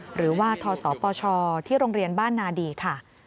หรือว่าทศปชที่โรงเรียนบ้านนาดีค่ะ